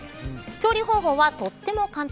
調理方法はとっても簡単。